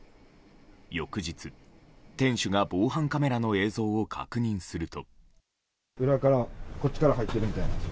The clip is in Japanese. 翌日、店主が防犯カメラの映像を確認すると。